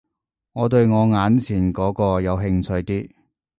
我對我眼前嗰個有興趣啲